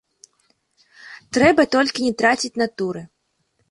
Трэба толькі не траціць натуры.